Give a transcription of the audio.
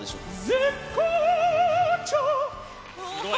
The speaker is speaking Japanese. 絶好調！